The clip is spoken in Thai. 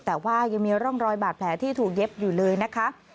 แต่ว่ายังมีร่องรอยบาดแผลที่ถูกเย็บอยู่เลยนะคะ